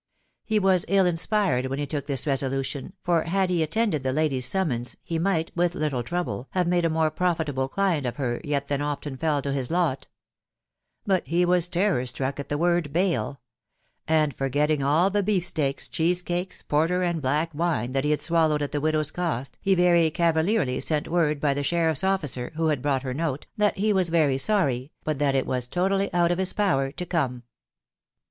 He was ill inspired when he took this resolution, for had he attended the lady's summons, he might, with little trouble, have made a more profitable client of her yet than often fell to his lot. "Bart. V* 'w \bewr TAB WIDOW BABHABY. $95 struck at the word bail ; and forgetting all the beaf steaks, cheese cakes, porter, and black wine that he had swallowed at the widow's cost, he very cavalierly sent word by the sheriff's officer, who had brought her note, that he was very sorry, but that it was totally oat of his power to come.